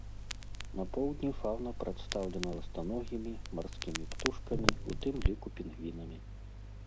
На поўдні фаўна прадстаўлена ластаногімі, марскімі птушкамі, у тым ліку пінгвінамі.